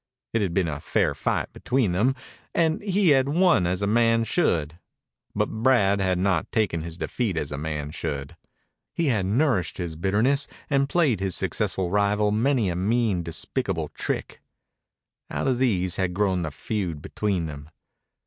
It had been a fair fight between them, and he had won as a man should. But Brad had not taken his defeat as a man should. He had nourished bitterness and played his successful rival many a mean despicable trick. Out of these had grown the feud between them.